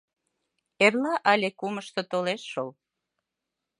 — Эрла але кумышто толеш шол.